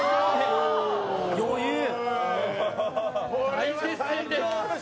大接戦です。